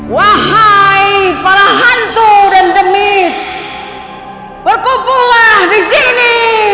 wahai para hantu dan demit berkumpulah di sini